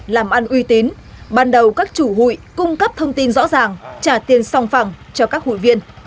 làm ăn uy tín ban đầu các chủ hụi cung cấp thông tin rõ ràng trả tiền song phẳng cho các hụi viên